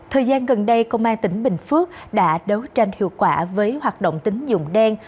thời gian gần đây công an tỉnh bình phước đã đấu tranh hiệu quả với hoạt động tính dụng đen